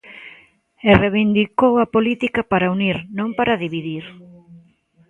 E reivindicou a política para unir, non para dividir.